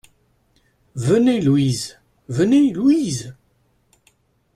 Venez, Louise, venez ! LOUISE.